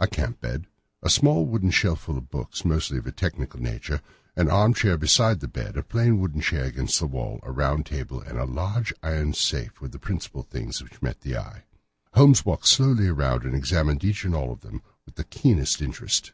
A camp bed, a small wooden shelf full of books, mostly of a technical character, an armchair beside the bed, a plain wooden chair against the wall, a round table, and a large iron safe were the principal things which met the eye. Holmes walked slowly round and examined each and all of them with the keenest interest.